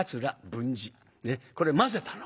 これ交ぜたの。